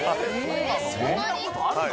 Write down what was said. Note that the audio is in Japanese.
そんなことあるの？